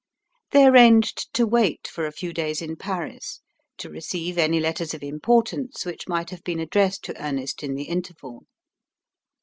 They arranged to wait for a few days in Paris, to receive any letters of importance which might have been addressed to Ernest in the interval.